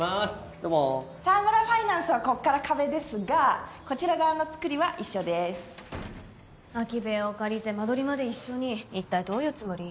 どうも沢村ファイナンスはこっから壁ですがこちら側の造りは一緒です空き部屋を借りて間取りまで一緒に一体どういうつもり？